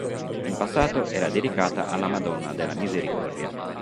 In passato era dedicata alla Madonna della Misericordia.